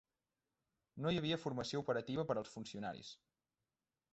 No hi havia formació operativa per als funcionaris.